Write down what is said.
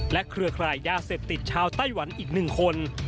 และเครือคลายยาเสพติดชาวไต้หวันอีกหนึ่งคน